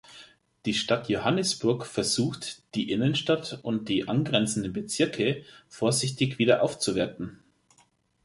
Die Stadt Johannesburg versucht, die Innenstadt und die angrenzenden Bezirke vorsichtig wieder aufzuwerten.